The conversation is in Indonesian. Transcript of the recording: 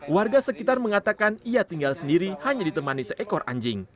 warga sekitar mengatakan ia tinggal sendiri hanya ditemani seekor anjing